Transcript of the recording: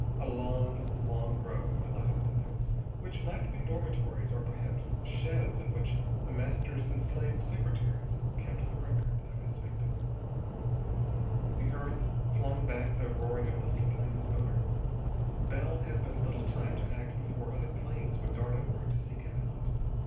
A long, long row of lighted windows, which might be dormitories or perhaps sheds in which The Master's enslaved secretaries kept the record of his victims. The earth flung back the roaring of the little plane's motor. Bell had but little time to act before other planes would dart upward to seek him out.